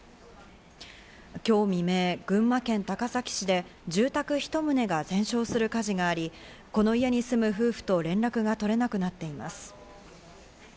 今日未明、群馬県高崎市で住宅１棟が全焼する火事があり、この家に住む夫婦と連絡が取れなくなっています。